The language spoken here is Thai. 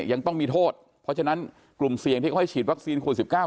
ยังต้องมีโทษเพราะฉะนั้นกลุ่มเสี่ยงที่เขาให้ฉีดวัคซีนโควิด๑๙